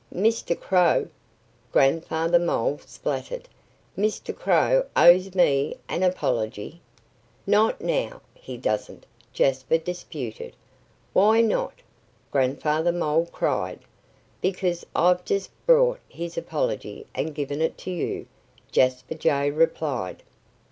"Mr. Crow" Grandfather Mole spluttered "Mr. Crow owes me an apology." "Not now, he doesn't!" Jasper disputed. "Why not?" Grandfather Mole cried. "Because I've just brought his apology and given it to you," Jasper Jay replied.